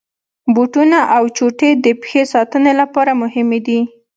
بوټونه او چوټي د پښې ساتني لپاره مهمي دي.